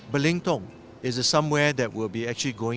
belintong adalah tempat yang akan kita masukkan